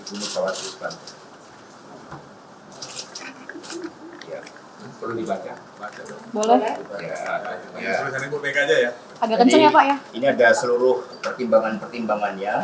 ini ada seluruh pertimbangan pertimbangannya